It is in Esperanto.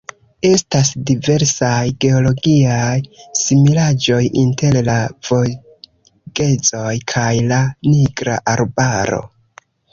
Estas diversaj geologiaj similaĵoj inter la Vogezoj kaj la Nigra Arbaro.